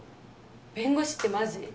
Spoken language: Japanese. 弁護士ってマジ？